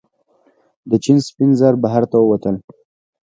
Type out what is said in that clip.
د چین سپین زر بهر ته ووتل.